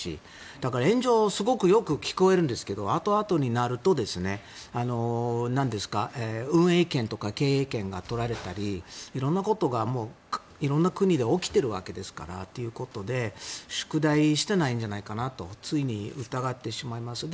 だから、援助すごくよく聞こえるんですが後々になると運営権とか経営権が取られたり色んなことが色んな国で起きているわけですから。ということで宿題をしてないんじゃないかと疑ってしまいます。